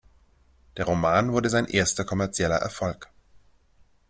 Der Roman wurde sein erster kommerzieller Erfolg.